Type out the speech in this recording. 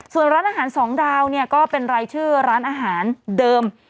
ส่วนร้านอาหารสองดาวเนี่ยก็เป็นรายชื่อร้านอาหารเดิม